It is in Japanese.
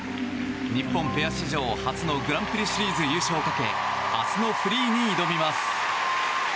日本ペア史上初のグランプリシリーズ優勝をかけ明日のフリーに挑みます。